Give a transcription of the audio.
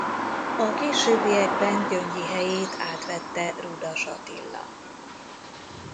A későbbiekben Gyöngyi helyét átvette Rudas Attila.